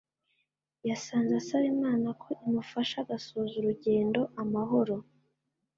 yasenze asaba Imana ko imufasha agasoza urugendo amahoro